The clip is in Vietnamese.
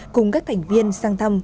cùng các thành viên sang thăm